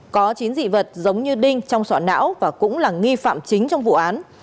có chín dị vật giống như đinh trong soạn não và cũng là nghi phạm chính trong vụ án